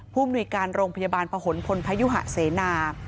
ผู้มนุยการโรงพยาบาลประหลพลพยุหาเสนา